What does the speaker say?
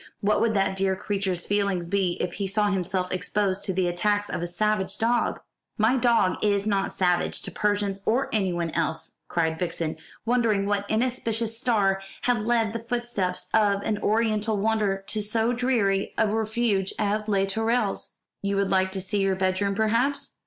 What would that dear creature's feelings be if he saw himself exposed to the attacks of a savage dog?" "My dog is not savage, to Persians or anyone else," cried Vixen, wondering what inauspicious star had led the footsteps of an oriental wanderer to so dreary a refuge as Les Tourelles. "You would like to see your bedroom, perhaps?"